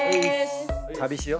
旅しよ。